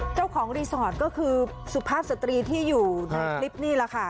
เจ้าของรีสอร์ทก็คือสุภาพสตรีที่อยู่ในคลิปนี่แหละค่ะ